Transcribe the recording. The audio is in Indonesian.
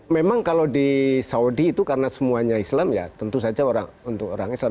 memang kalau di saudi itu karena semuanya islam ya tentu saja untuk orang islam